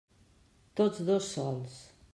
Tots dos sols.